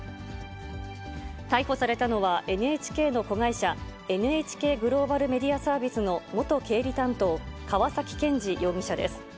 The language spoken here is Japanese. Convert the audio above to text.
逮捕されたのは、ＮＨＫの子会社、ＮＨＫグローバルメディアサービスの元経理担当、川崎健治容疑者です。